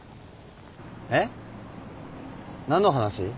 えっ？何の話？